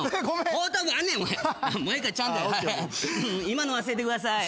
今の忘れてください。